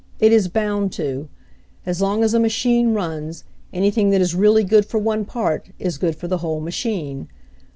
It is bound to. As long as a machine runs, anything that is really good for one part is good for the whole machine.